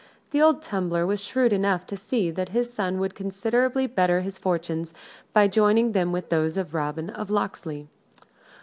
The old tumbler was shrewd enough to see that his son would considerably better his fortunes by joining them with those of Robin of Locksley.